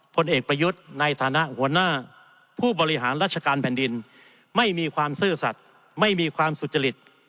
ผลเอกประยุทธ์ในฐานะหัวหน้าผู้บริหารราชการแผ่นดินไม่มีความซื่อสัตว์ไม่มีความสุจริต